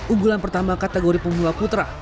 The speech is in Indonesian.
unggulan pertama kategori pemula putra